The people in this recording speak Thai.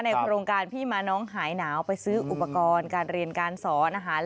โครงการพี่มาน้องหายหนาวไปซื้ออุปกรณ์การเรียนการสอนอาหาร